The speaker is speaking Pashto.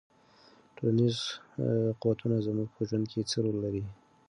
ټولنیز قوتونه زموږ په ژوند کې څه رول لري؟